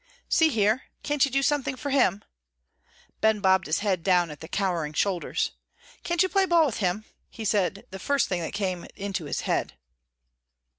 "See here, can't you do something for him?" Ben bobbed his head down at the cowering shoulders. "Can't you play ball with him?" He said the first thing that came into his head.